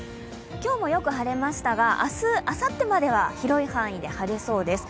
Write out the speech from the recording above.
今日もよく晴れましたが明日、あさってまでは広い範囲で晴れそうです。